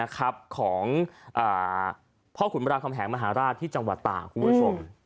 ของพ่อขุนบรามคำแหงมหาราชที่จังหวัดตากคุณผู้ชม